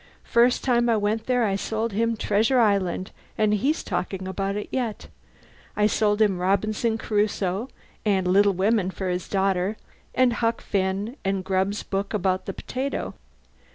First time I went there I sold him 'Treasure Island,' and he's talking about it yet. I sold him 'Robinson Crusoe,' and 'Little Women' for his daughter, and 'Huck Finn,' and Grubb's book about 'The Potato.'